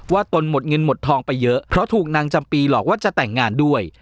ตนหมดเงินหมดทองไปเยอะเพราะถูกนางจำปีหลอกว่าจะแต่งงานด้วย